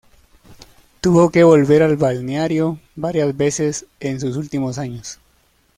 Tuvo que volver al balneario varias veces en sus últimos años.